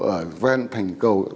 ở ven thành cầu